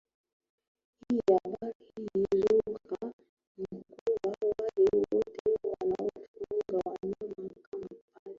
hii habari hii zuhra ni kuwa wale wote wanaofuga wanyama kama paka